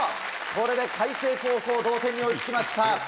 これで開成高校同点に追い付きました。